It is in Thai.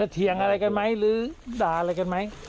เถียงอะไรกันไหมหรือด่าอะไรกันไหม